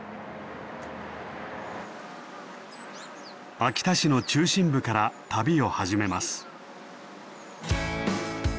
秋田市の中心部から旅を始めます。